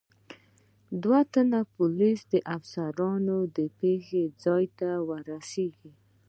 دو تنه پولیس افسران د پېښې ځای ته رسېږي.